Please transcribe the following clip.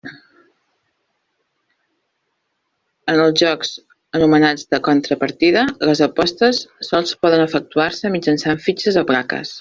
En els jocs anomenats de contrapartida, les apostes sols poden efectuar-se mitjançant fitxes o plaques.